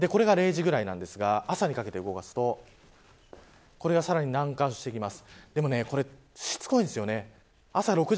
これが０時ぐらいですが朝にかけて動かすとこれがさらに南下してきます。